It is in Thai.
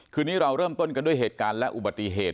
คืนนี้เราเริ่มต้นกันด้วยเหตุการณ์และอุบัติเหตุ